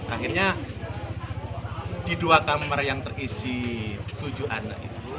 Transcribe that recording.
akhirnya di dua kamar yang terisi tujuh anak itu